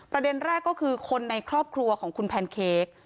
ประเด็นแรกก็คือคนในครอบครัวของคุณแพนเค้ก